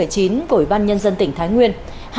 của ủy ban nhân dân tỉnh thái nguyên